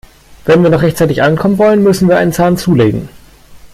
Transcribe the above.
Wenn wir noch rechtzeitig ankommen wollen, müssen wir einen Zahn zulegen.